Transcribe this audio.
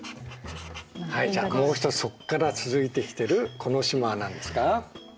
はいじゃあもう一つそこから続いてきてるこの島は何ですか？